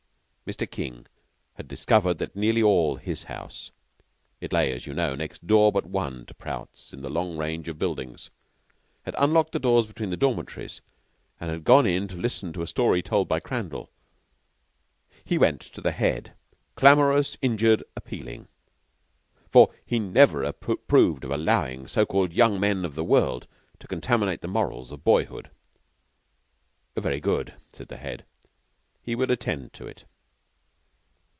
Mr. King had discovered that nearly all his house it lay, as you know, next door but one to Prout's in the long range of buildings had unlocked the doors between the dormitories and had gone in to listen to a story told by Crandall. He went to the Head, clamorous, injured, appealing; for he never approved of allowing so called young men of the world to contaminate the morals of boyhood. Very good, said the Head, he would attend to it.